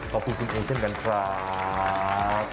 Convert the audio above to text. ขอบคุณคุณครูเช่นกันครับ